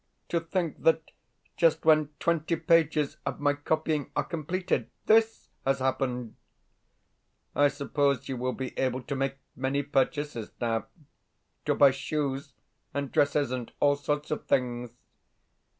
To think that just when twenty pages of my copying are completed THIS has happened!... I suppose you will be able to make many purchases now to buy shoes and dresses and all sorts of things?